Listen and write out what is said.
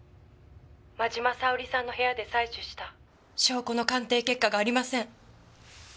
真嶋沙織さんの部屋で採取した証拠の鑑定結果がありません。